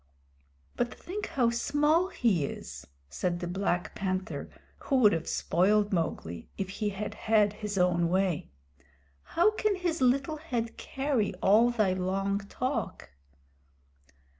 "But think how small he is," said the Black Panther, who would have spoiled Mowgli if he had had his own way. "How can his little head carry all thy long talk?"